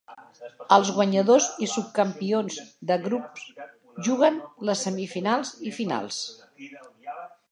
Els guanyadors i subcampions de grups juguen les semifinals i finals.